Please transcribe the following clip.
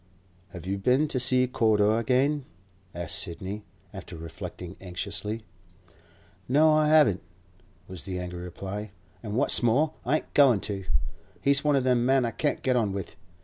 'Have you been to see Corder again?' asked Sidney, after reflecting anxiously. 'No, I haven't!' was the angry reply; 'an' what's more, I ain't goin' to! He's one o' them men I can't get on with.